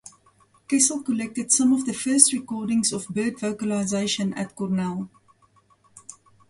Kessel collected some of the first recordings of bird vocalization at Cornell.